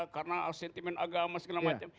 karena sentimen agama segala macam